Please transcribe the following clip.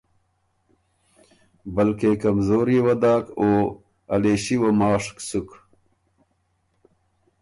بلکې کمزوريې وه داک او ا لېݭی وه ماشک سُک۔